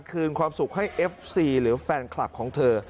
คืนความสุขให้เอฟซีหรือแฟนคลับของเธอ